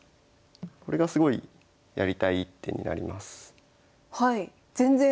これがすごいやりたい一手になります。